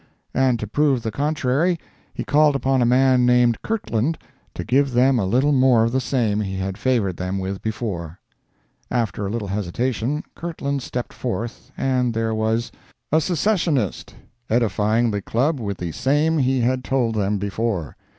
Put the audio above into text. And to prove the contrary, he called upon a man named Kirtland to give them a little more of the same he had favored them with before. After a little hesitation, Kirtland stepped forth, and there was A SECCESSIONIST edifying the Club with the same he had told them before.